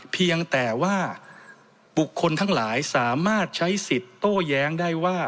เพียงแต่ว่าบุคคลทั้งหลายสามารถใช้สิทธิ์โต้แย้งได้ว่า